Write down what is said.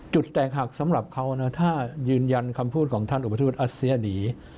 แตกหักสำหรับเขานะถ้ายืนยันคำพูดของท่านอุปทูตอัสเซียหนี